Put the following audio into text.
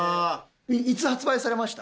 いつ発売されました？